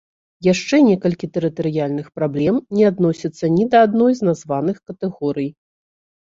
Яшчэ некалькі тэрытарыяльных праблем не адносяцца ні да адной з названых катэгорый.